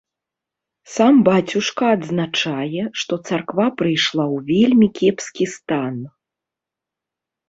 Сам бацюшка адзначае, што царква прыйшла ў вельмі кепскі стан.